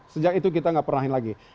sejak itu kita nggak pernahin lagi